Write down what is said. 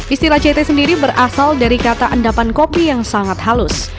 istilah ct sendiri berasal dari kata endapan kopi yang sangat halus